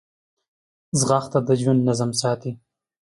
ځغاسته د ژوند نظم ساتي